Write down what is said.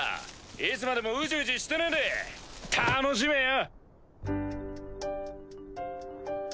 いつまでもウジウジしてねぇで楽しめよ！